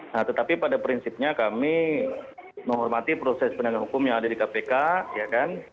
nah tetapi pada prinsipnya kami menghormati proses penegakan hukum yang ada di kpk ya kan